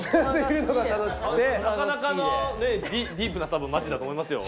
なかなかのディープな街だと思いますよ。